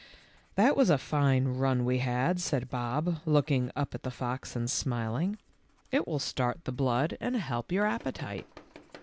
" That was a fine run we had," said Bob, looking up at the fox and smiling ;" it will BOB'S REVENGE. 133 start the blood and help your appetite."